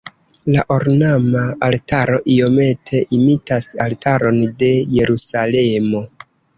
La ornama altaro iomete imitas altaron de Jerusalemo.